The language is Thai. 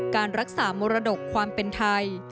การรักษามรดกความเป็นไทย